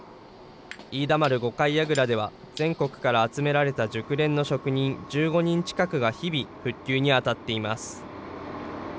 飯田丸五階櫓では、全国から集められた熟練の職人１５人近くが日々復旧に当たっています。